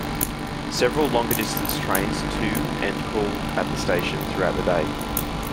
Several longer-distance trains to and call at the station throughout the day.